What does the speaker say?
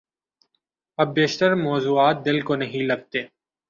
اب بیشتر موضوعات دل کو نہیں لگتے۔